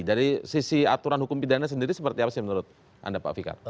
dari sisi aturan hukum pidana sendiri seperti apa sih menurut anda pak fikar